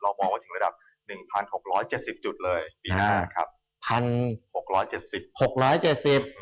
เรามองว่าสิ่งระดับ๑๖๗๐จุดเลยปีหน้าครับ